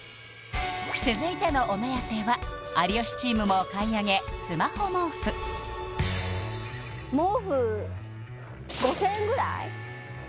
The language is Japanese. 続いてのお目当ては有吉チームもお買い上げスマホ毛布毛布５０００円ぐらい？